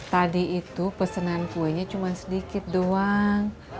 tadi itu pesanan kuenya cuma sedikit doang